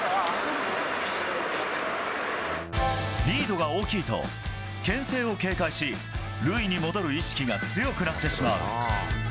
リードが大きいと牽制を警戒し塁に戻る意識が強くなってしまう。